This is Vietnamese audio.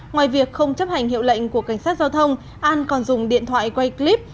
ngoài việc không chấp hành hiệu lệnh của cảnh sát giao thông an còn dùng điện thoại quay clip